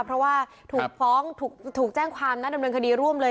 เพราะว่าถูกฟ้องถูกแจ้งความนะดำเนินคดีร่วมเลย